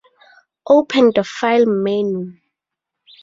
Open the file menu